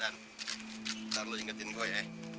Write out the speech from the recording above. ntar lu ingetin gue ya